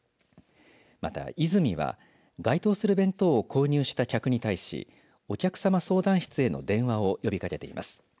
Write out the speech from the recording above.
また、イズミは該当する弁当を購入した客に対しお客さま相談室への電話を呼びかけています。